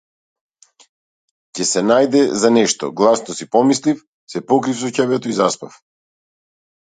Ќе се најде за нешто, гласно си помислив, се покрив со ќебето и заспав.